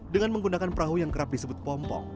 dengan menggunakan perahu yang kerap disebut pompong